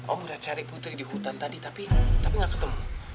om udah cari putri di hutan tadi tapi gak ketemu